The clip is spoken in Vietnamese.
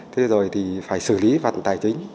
thế rồi thì phải xử lý phần tài chính